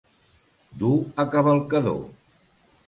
Dur a cavalcador.